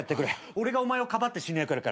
俺がお前をかばって死ぬ役やる。